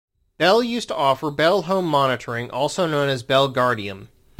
Bell used to offer Bell Home Monitoring, also known as Bell Gardium.